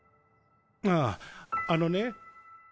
あぁあのね。